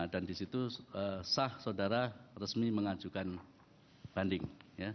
dan di situ sah saudara resmi mengajukan banding